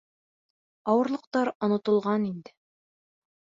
Ауырлыҡтар онотолған инде.